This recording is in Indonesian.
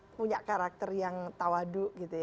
punya karakter yang tawaduk